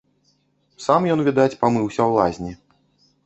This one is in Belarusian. Сам ён, відаць, памыўся ў лазні.